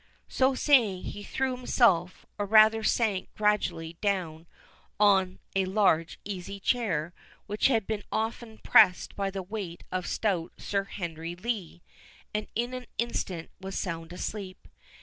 So saying, he threw himself, or rather sank gradually down on a large easy chair which had been often pressed by the weight of stout Sir Henry Lee, and in an instant was sound asleep.